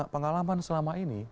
pengalaman selama ini